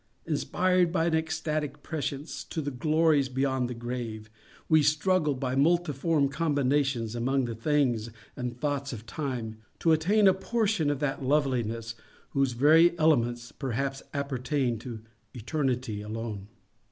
Inspired by an ecstatic prescience of the glories beyond the grave, we struggle by multiform combinations among the things and thoughts of Time to attain a portion of that Loveliness whose very elements perhaps appertain to eternity alone.